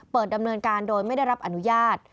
ดำเนินการโดยไม่ได้รับอนุญาต